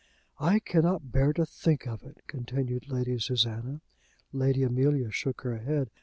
"I cannot bear to think of it," continued Lady Susanna. Lady Amelia shook her head.